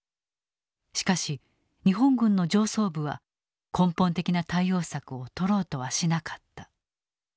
しかし日本軍の上層部は根本的な対応策を取ろうとはしなかった。